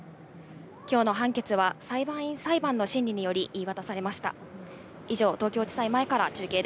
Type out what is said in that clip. きょうの判決は、裁判員裁判の審理により言い渡されました。